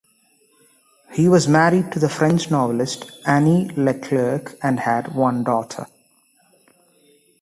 He was married to the French novelist Annie Leclerc and had one daughter.